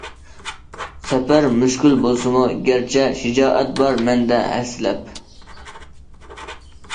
سەپەر مۈشكۈل بولسىمۇ گەرچە، شىجائەت بار مەندە ھەسسىلەپ.